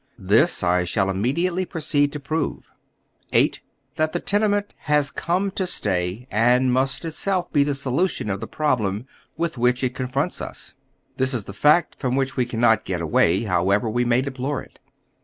This I shall immediately pro ceed to prove. VIII. TJiat the tenement has come to stay, and must it self be the solution of the problem with which it coofronts us. This is the fact from which we cannot get away, how ever we may deplore it.